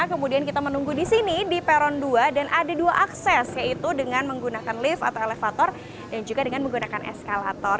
kemudian kita menunggu di sini di peron dua dan ada dua akses yaitu dengan menggunakan lift atau elevator dan juga dengan menggunakan eskalator